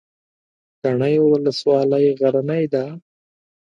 تڼیو ولسوالۍ غرنۍ ده؟